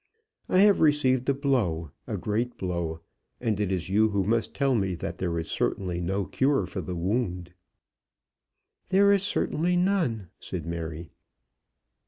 I have received a blow, a great blow, and it is you who must tell me that there is certainly no cure for the wound." "There is certainly none," said Mary.